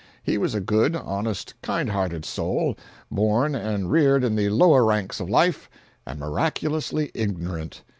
He was a good, honest, kind hearted soul, born and reared in the lower ranks of life, and miraculously ignorant.